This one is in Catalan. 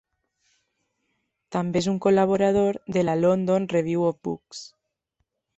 També és un col·laborador de la "London Review of Books".